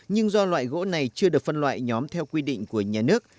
nhưng do loại gỗ này chưa được phân loại nhóm theo quy định của nhà nước